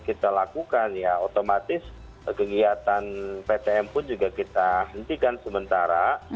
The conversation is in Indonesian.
kita lakukan ya otomatis kegiatan ptm pun juga kita hentikan sementara